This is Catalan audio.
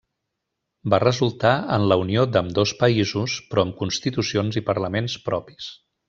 Va resultar en la unió d'ambdós països, però amb constitucions i parlaments propis.